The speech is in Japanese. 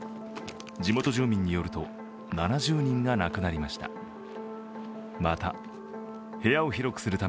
地元住民によると７０人が亡くなりました。